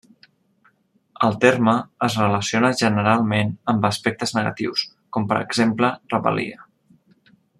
El terme es relaciona generalment amb aspectes negatius, com per exemple rebel·lia.